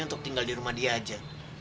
untuk tinggal di rumah dia aja